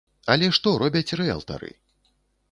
Але што робяць рыэлтары?